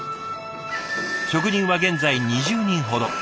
職人は現在２０人ほど。